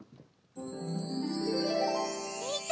みて！